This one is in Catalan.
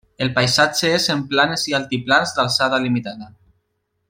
El paisatge és en planes i altiplans d'alçada limitada.